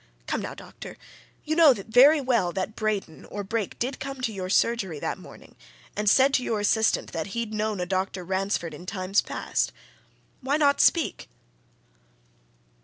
Come now, doctor! you know very well that Braden, or Brake, did come to your surgery that morning and said to your assistant that he'd known a Dr. Ransford in times past! Why not speak?"